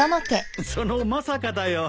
そのまさかだよ。